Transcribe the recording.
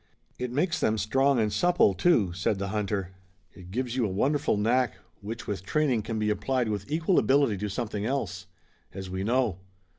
"It makes them strong and supple, too," said the hunter. "It gives to you a wonderful knack which with training can be applied with equal ability to something else." "As we know."